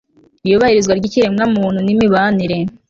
iyubahirizwa ry ikiremwamuntu n imibanire